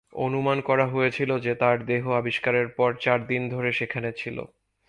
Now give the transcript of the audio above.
অনুমান করা হয়েছিল যে তার দেহ আবিষ্কারের পর চার দিন ধরে সেখানে ছিল।